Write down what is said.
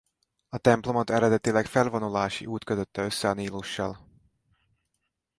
A templomot eredetileg felvonulási út kötötte össze a Nílussal.